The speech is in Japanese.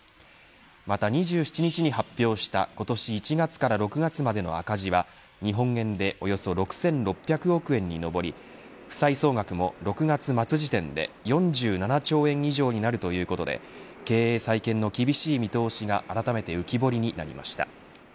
また２７日に発表した今年１月から６月までの赤字は日本円でおよそ６６００億円に上り負債総額も６月末時点で４７兆円以上になるということで経営再建の厳しい見通しがあらためて浮き彫りになりました。